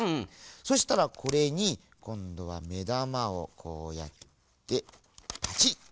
そしたらこれにこんどはめだまをこうやってパチリ。